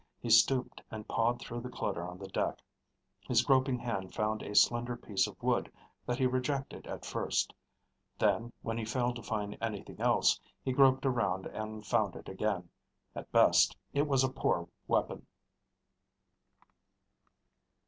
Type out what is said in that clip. He stooped and pawed through the clutter on the deck. His groping hand found a slender piece of wood that he rejected at first. Then, when he failed to find anything else, he groped around and found it again. At best, it was a poor weapon.